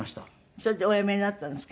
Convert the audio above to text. それでおやめになったんですか？